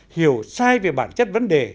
hiểu sai về bản chất vấn đề